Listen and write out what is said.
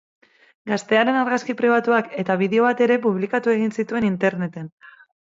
Gaztearen argazki pribatuak eta bideo bat ere publikatu egin zituen interneten.